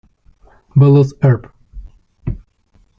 Bolus Herb.